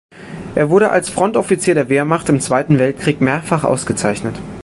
Er wurde als Frontoffizier der Wehrmacht im Zweiten Weltkrieg mehrfach ausgezeichnet.